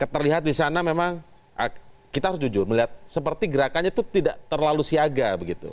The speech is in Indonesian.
terlihat di sana memang kita harus jujur melihat seperti gerakannya itu tidak terlalu siaga begitu